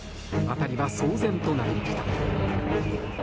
辺りは騒然となりました。